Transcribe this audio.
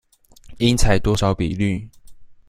應採多少比率